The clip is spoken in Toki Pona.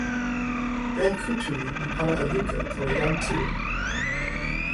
jan Kuntuli li pana e luka tawa jan Tu.